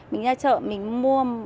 mình ra chợ mình mua